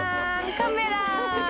カメラ！